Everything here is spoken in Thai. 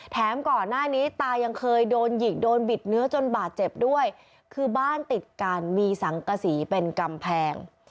ก่อนหน้านี้ตายังเคยโดนหยิกโดนบิดเนื้อจนบาดเจ็บด้วยคือบ้านติดกันมีสังกษีเป็นกำแพง